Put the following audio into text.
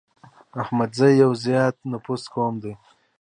احمدزي يو زيات نفوسه قوم دی